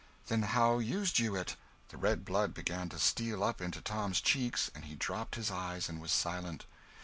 "Then how used you it?" The red blood began to steal up into Tom's cheeks, and he dropped his eyes and was silent.